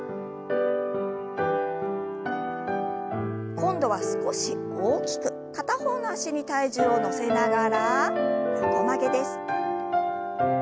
今度は少し大きく片方の脚に体重を乗せながら横曲げです。